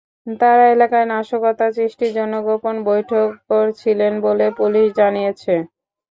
তাঁরা এলাকায় নাশকতা সৃষ্টির জন্য গোপন বৈঠক করছিলেন বলে পুলিশ জানিয়েছে।